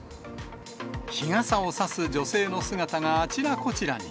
日傘を差す女性の姿があちらこちらに。